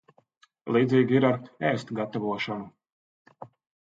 Līdzīgi ir ar ēst gatavošanu.